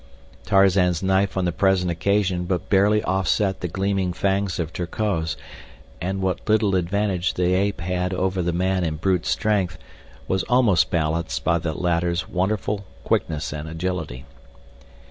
Tarzan's knife on the present occasion but barely offset the gleaming fangs of Terkoz, and what little advantage the ape had over the man in brute strength was almost balanced by the latter's wonderful quickness and agility.